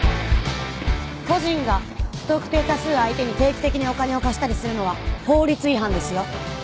個人が不特定多数相手に定期的にお金を貸したりするのは法律違反ですよ。